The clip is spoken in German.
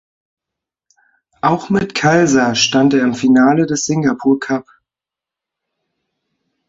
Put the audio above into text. Auch mit Khalsa stand er im Finale des Singapore Cup.